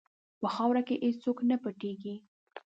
په خاوره کې هېڅ څوک نه پټیږي.